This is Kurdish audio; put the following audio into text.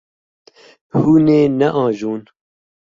Hûn ê neajon.